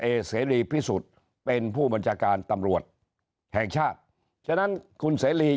เสรีพิสุทธิ์เป็นผู้บัญชาการตำรวจแห่งชาติฉะนั้นคุณเสรี